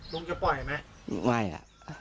ลุงจะปล่อยไหมไม่